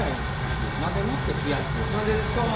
混ぜもって冷やす。